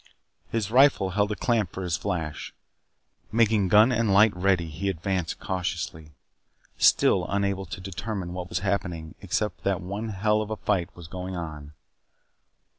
His rifle held a clamp for his flash. Making gun and light ready, he advanced cautiously, still unable to determine what was happening except that one hell of a fight was going on.